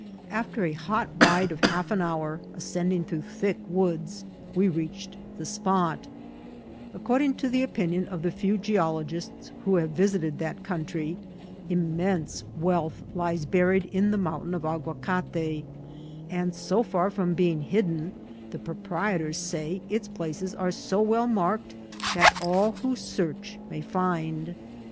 After a hot ride of half an hour, ascending through thick woods, we reached the spot According to the opinion of the few geologists who have visited that country, immense wealth lies buried in the mountain of Aguacate ; and so far from being hidden, the proprietors say, its places are so well mark* ed that all who search may find.